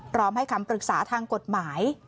พร้อมให้คำปรึกษาทางกฎหมาย